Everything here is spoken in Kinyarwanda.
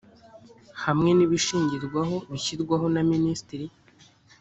hamwe n ibishingirwaho bishyirwaho na minisitiri